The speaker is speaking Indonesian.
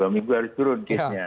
dua minggu harus turun